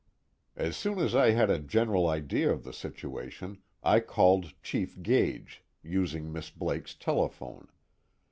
As soon as I had a general idea of the situation, I called Chief Gage, using Miss Blake's telephone.